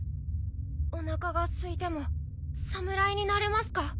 おなかがすいても侍になれますか？